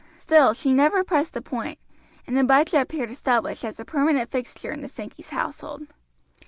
Still she never pressed the point, and Abijah appeared established as a permanent fixture in the Sankeys' household.